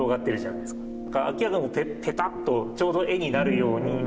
明らかにペタッとちょうど絵になるように。